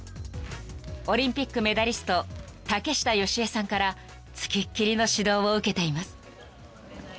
［オリンピックメダリスト竹下佳江さんから付きっきりの指導を受けています］